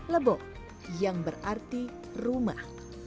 lebo yang berarti rumah